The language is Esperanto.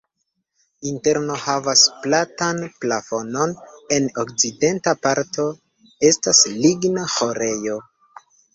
Interno havas platan plafonon, en okcidenta parto estas ligna ĥorejo.